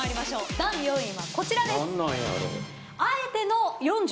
第４位はこちらです。